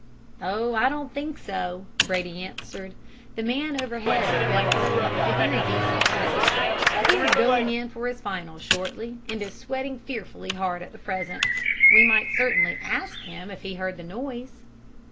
"'Oh, I don't think so,' Brady answered. 'The man overhead is Belton, a very decent sort. He is going in for his finals shortly, and is sweating fearfully hard at present. We might certainly ask him if he heard the noise.'